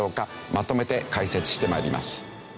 まとめて解説して参ります。